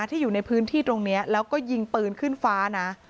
ที่อยู่ในพื้นที่ตรงนี้แล้วก็ยิงปืนขึ้นฟ้านะ